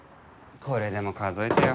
これでも数えてよ。